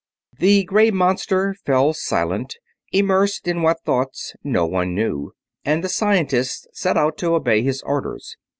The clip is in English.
The gray monster fell silent, immersed in what thoughts no one knew, and the scientists set out to obey his orders.